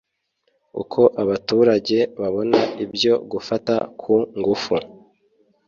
uko abaturage babona ibyo gufata ku ngufu